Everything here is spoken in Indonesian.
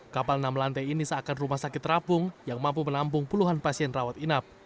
kapal enam lantai ini seakan rumah sakit terapung yang mampu menampung puluhan pasien rawat inap